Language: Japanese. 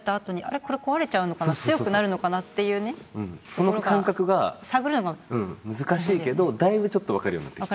その感覚が難しいけどだいぶちょっとわかるようになってきた。